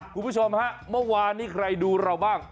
คุณผู้ชมฮะเมื่อวานนี้ใครดูเราบ้าง